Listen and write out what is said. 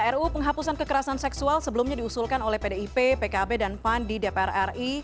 ru penghapusan kekerasan seksual sebelumnya diusulkan oleh pdip pkb dan pan di dpr ri